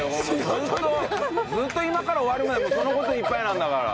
本当ずっと今から終わるまでその事でいっぱいなんだから。